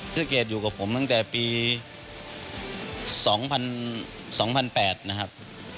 ศรีสะเกียจอยู่กับผมตั้งแต่ปี๒๐๐๘นะครับ